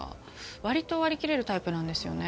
割と割り切れるタイプなんですよね。